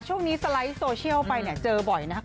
ช่วงนี้สไลด์โซเชียลไปเจอบ่อยนะครับ